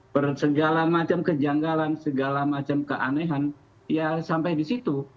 bersegala macam kejanggalan segala macam keanehan ya sampai di situ